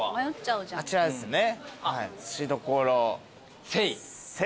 あちらですね。